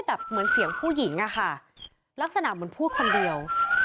แบบเหมือนเสียงผู้หญิงอะค่ะลักษณะเหมือนพูดคนเดียว